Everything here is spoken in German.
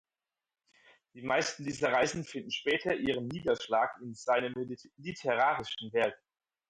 Die meisten dieser Reisen finden später ihren Niederschlag in seinem literarischen Werk.